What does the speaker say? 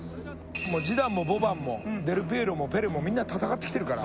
ジダンもボバンもデルピエロもペレもみんな戦ってきてるから。